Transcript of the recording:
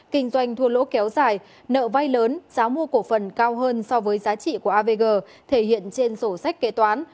kinh doanh thua lỗ kéo dài nợ vay lớn giá mua cổ phần cao hơn so với giá trị của avg thể hiện trên sổ sách kế toán